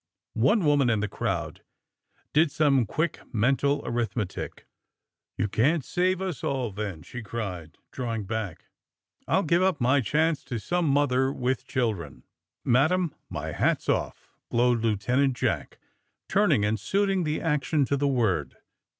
One woman in the crowd did some quick men tal arithmetic. "You can't save us all, then," she cried, drawing back. "I'll give up my chance to some mother with children." "Madam, my hat's oif," glowed Lieutenant Jack, turning and suiting the action to the word.